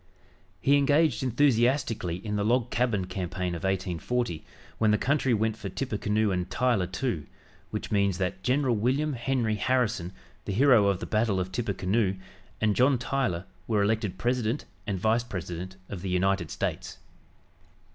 He engaged enthusiastically in the "Log Cabin" campaign of 1840, when the country went for "Tippecanoe and Tyler, too," which means that General William Henry Harrison, the hero of the battle of Tippecanoe, and John Tyler were elected President and Vice President of the United States.